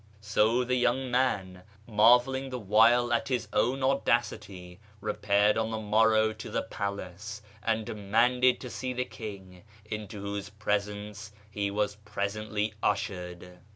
So the young man, mar velling the while at his own audacity, repaired on the morrow to the palace, and demanded to see the king, into whose presence he was presently ushered.